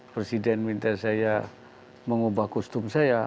presiden minta saya mengubah kostum saya